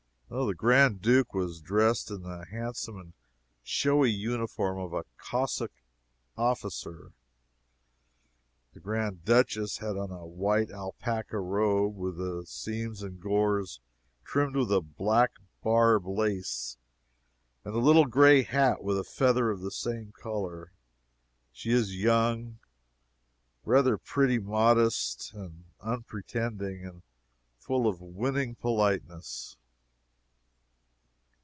The Grand Duke was dressed in the handsome and showy uniform of a Cossack officer. The Grand Duchess had on a white alpaca robe, with the seams and gores trimmed with black barb lace, and a little gray hat with a feather of the same color. She is young, rather pretty modest and unpretending, and full of winning politeness.